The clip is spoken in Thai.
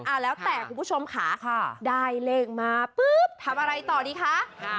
แล้วแต่คุณผู้ชมค่ะได้เลขมาปุ๊บทำอะไรต่อดีคะ